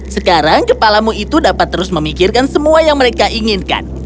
sekarang kepalamu itu dapat terus memikirkan semua yang mereka inginkan